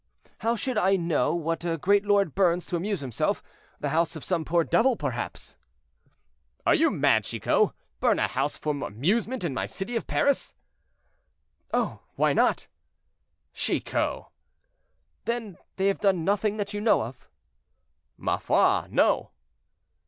"How should I know what a great lord burns to amuse himself; the house of some poor devil, perhaps." "Are you mad, Chicot? Burn a house for amusement in my city of Paris!" "Oh! why not?" "Chicot!" "Then they have done nothing that you know of?" "Ma foi, no."